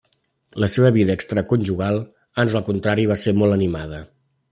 La seva vida extraconjugal ans al contrari va ser molt animada.